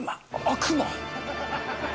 悪魔？